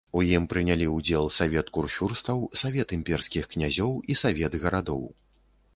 У ім прынялі ўдзел савет курфюрстаў, савет імперскіх князёў і савет гарадоў.